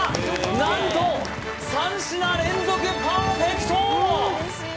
何と３品連続パーフェクト！